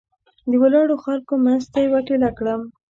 د ولاړو خلکو منځ ته یې ور ټېله کړم.